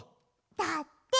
だって。